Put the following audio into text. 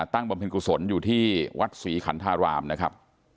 ตั้งบำเพ็ญกุศลอยู่ที่วัดสุรีคัณฑรามนะครับ